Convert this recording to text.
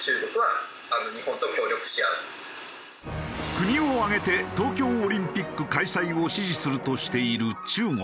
国を挙げて東京オリンピック開催を支持するとしている中国。